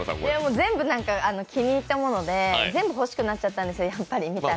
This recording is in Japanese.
全部気に入ったもので、全部欲しくなっちゃったんですよ、見たら。